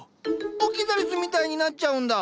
オキザリスみたいになっちゃうんだ。